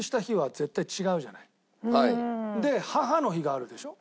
で母の日があるでしょ。